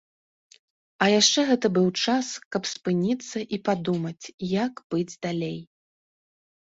А яшчэ гэта быў час, каб спыніцца і падумаць, як быць далей.